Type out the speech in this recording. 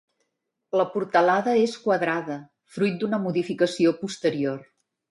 La portalada és quadrada fruit d'una modificació posterior.